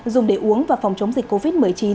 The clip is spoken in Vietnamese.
dùng để uống và phòng chống dịch covid một mươi chín